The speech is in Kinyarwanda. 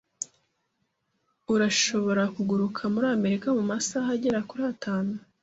Urashobora kuguruka muri Amerika mumasaha agera kuri atanu.